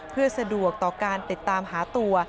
เพื่อสะดวกต่อการติดตามหาตัว